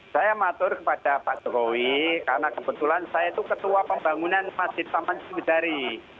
saya matur kepada pak jokowi karena kebetulan saya itu ketua pembangunan masjid taman sugidari